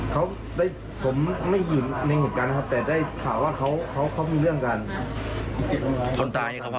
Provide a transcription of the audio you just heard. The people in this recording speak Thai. เขาได้ผมไม่อยู่ในหุดการณ์นะครับแต่ได้ถามว่าเขามีเรื่องกัน